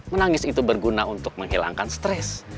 menangis itu berguna untuk menghilangkan stres